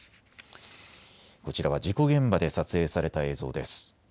こちらは事故現場で撮影された映像です。